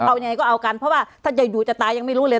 เอายังไงก็เอากันเพราะว่าถ้าจะอยู่จะตายยังไม่รู้เลย